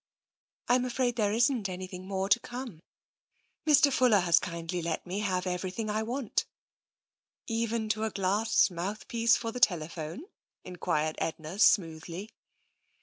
" I'm afraid there isn't anything more to come. Mr. Fuller has kindly let me have everjrthing I want." "Even to a glass mouthpiece for the telephone?" enquired Edna smoothly.